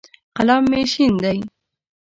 قلم مې شین دی.